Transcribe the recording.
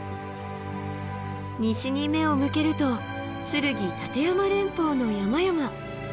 西に目を向けると剱・立山連峰の山々。